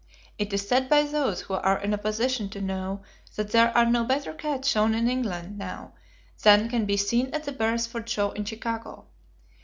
It is said by those who are in a position to know that there are no better cats shown in England now than can be seen at the Beresford Show in Chicago.